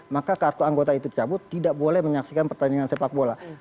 maka kartu anggota itu dicabut tidak boleh menyaksikan pertandingan sepak bola